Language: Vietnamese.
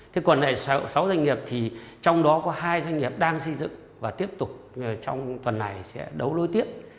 thế còn lại sáu doanh nghiệp thì trong đó có hai doanh nghiệp đang xây dựng và tiếp tục trong tuần này sẽ đấu lối tiếp